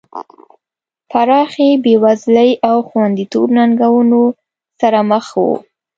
پراخې بېوزلۍ او خوندیتوب ننګونو سره مخ وو.